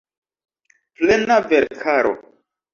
Plena verkaro.